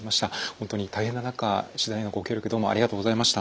本当に大変な中取材のご協力どうもありがとうございました。